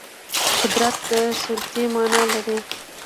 قدرت د سلطې معنا لري